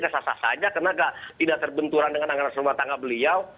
kesasah saja karena tidak terbenturan dengan anggaran selamat tangga beliau